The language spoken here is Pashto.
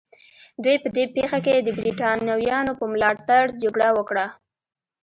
دوی په دې پېښه کې د برېټانویانو په ملاتړ جګړه وکړه.